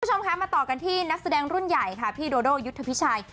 คุณผู้ชมคะมาต่อกันที่นักแสดงรุ่นใหญ่ค่ะพี่โดโดยุทธพิชัย